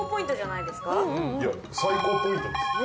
いや最高ポイントです！